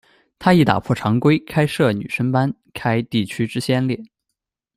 他亦打破常规，开设女生班，开地区之先例。